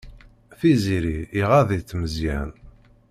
Tiziri iɣaḍ-itt Meẓyan.